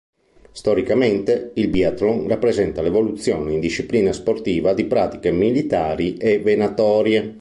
Storicamente, il biathlon rappresenta l'evoluzione in disciplina sportiva di pratiche militari e venatorie.